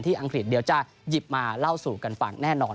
อังกฤษเดี๋ยวจะหยิบมาเล่าสู่กันฟังแน่นอน